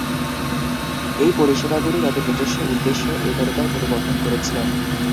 এই পরিষেবাগুলি তাদের নিজস্ব উদ্দেশ্যে এই তালিকায় পরিবর্তন করেছে।